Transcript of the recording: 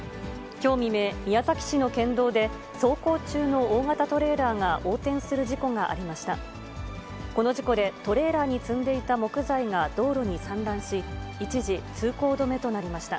きょう未明、宮崎市の県道で、走行中の大型トレーラーが横転する事故がありました。